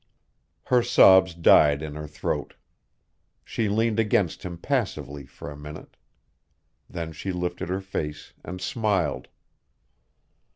Her sobs died in her throat. She leaned against him passively for a minute. Then she lifted her face and smiled.